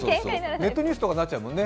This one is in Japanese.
ネットニュースとかになっちゃうもんね。